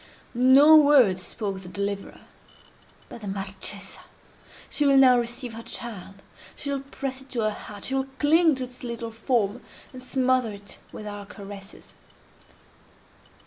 No word spoke the deliverer. But the Marchesa! She will now receive her child—she will press it to her heart—she will cling to its little form, and smother it with her caresses.